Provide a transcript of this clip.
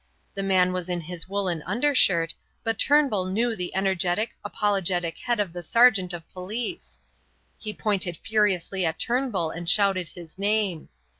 The man was in his woollen undershirt, but Turnbull knew the energetic, apologetic head of the sergeant of police. He pointed furiously at Turnbull and shouted his name.